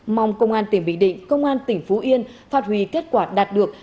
mong công an tỉnh bình định công an tỉnh phú yên phạt hủy kết quả đạt được